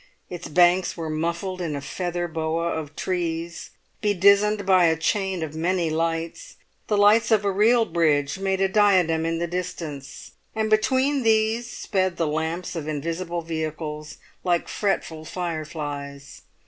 Its banks were muffled in a feather boa of trees, bedizened by a chain of many lights; the lights of a real bridge made a diadem in the distance; and between these sped the lamps of invisible vehicles, like fretful fireflies.